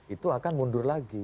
itu akan mundur lagi